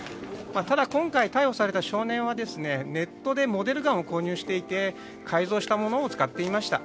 ただ、今回逮捕された少年はネットでモデルガンを購入していて改造したものを使っていました。